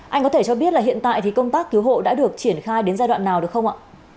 anh có thể cho biết là hiện tại thì công tác cứu hộ đã được triển khai đến giai đoạn nào được không ạ